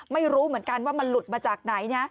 ไม่รู้เหมือนกันว่ามันหลุดมาจากไหนนะ